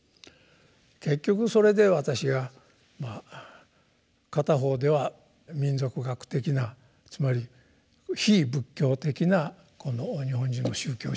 結局それで私は片方では民俗学的なつまり非仏教的な日本人の宗教心ですね